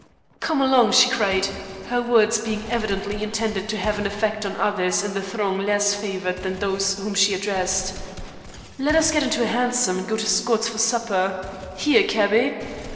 "Come along," she cried, her words being evidently intended to have an effect on others in the throng less favored than those whom she addressed; "let us get into a hansom and go to Scott's for supper. Here, cabby!"